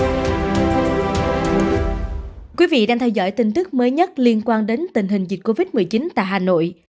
thưa quý vị đang theo dõi tin tức mới nhất liên quan đến tình hình dịch covid một mươi chín tại hà nội